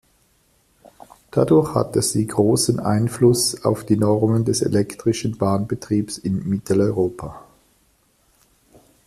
Dadurch hatte sie großen Einfluss auf die Normen des elektrischen Bahnbetriebes in Mitteleuropa.